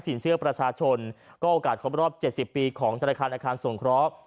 เชื่อประชาชนก็โอกาสครบรอบ๗๐ปีของธนาคารอาคารสงเคราะห์